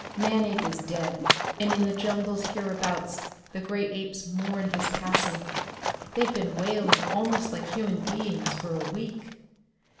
Manape is dead, and in the jungle hereabouts the great apes mourn his passing. They've been wailing almost like human beings for a week.